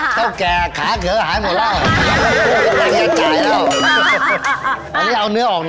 เจ้าแก่ขาเขลือหายหมดแล้ว